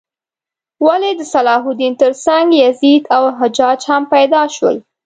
ولې د صلاح الدین تر څنګ یزید او حجاج هم پیدا شول؟